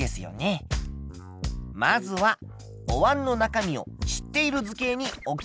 まずはおわんの中身を知っている図形に置きかえてみましょう。